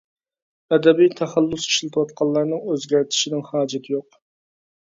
ئەدەبىي تەخەللۇس ئىشلىتىۋاتقانلارنىڭ ئۆزگەرتىشىنىڭ ھاجىتى يوق.